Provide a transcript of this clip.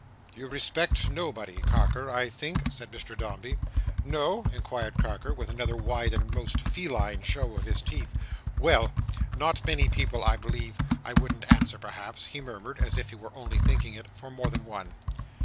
"You respect nobody, Carker, I think," said Mr Dombey. "No?" inquired Carker, with another wide and most feline show of his teeth. "Well! Not many people, I believe. I wouldn't answer perhaps," he murmured, as if he were only thinking it, "for more than one."